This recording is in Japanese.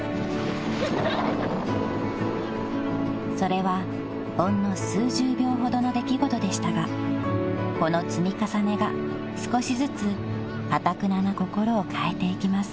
［それはほんの数十秒ほどの出来事でしたがこの積み重ねが少しずつかたくなな心を変えていきます］